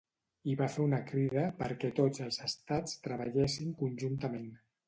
I va fer una crida perquè tots els estats treballessin conjuntament.